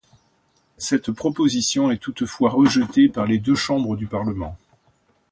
Cette proposition est toutefois rejetée par les deux chambres du Parlement.